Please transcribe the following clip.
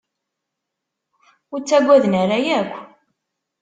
Ur ttaggaden ara akk.